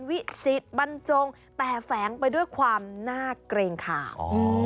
วิจิตบรรจงแต่แฝงไปด้วยความน่าเกรงข่าว